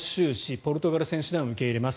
ポルトガル選手団を受け入れます。